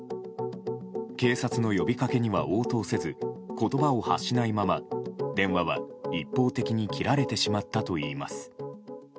警察の呼びかけには応答せず言葉を発しないまま、電話は一方的に切られてしまったといいます。